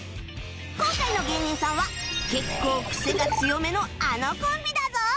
今回の芸人さんは結構クセが強めのあのコンビだぞ！